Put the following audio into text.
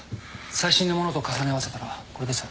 最新のものと重ね合わせたのがこれです。